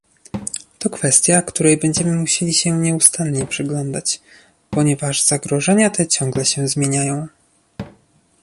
To kwestia, której będziemy musieli się nieustannie przyglądać, ponieważ zagrożenia te ciągle się zmieniają